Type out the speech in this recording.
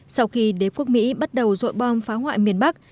sau khi đế quốc mỹ bắt đầu dội bom phá hoại miền bắc